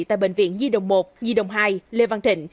tại bệnh viện di đồng một di đồng hai lê văn thịnh